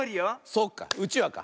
そっかうちわか。